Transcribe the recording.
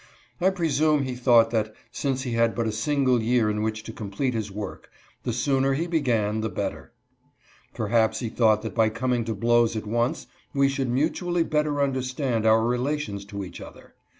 I presume he thought that, since he had but a single year in which to complete his work, the sooner he began the better. Perhaps he thought that by coming to blows at once we should mutually better understand our relations to each other.